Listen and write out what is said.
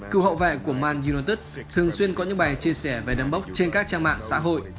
cựu hậu vệ của man yrotus thường xuyên có những bài chia sẻ về đám bốc trên các trang mạng xã hội